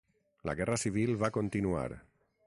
La guerra civil va continuar.